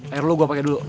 air lo gue pake dulu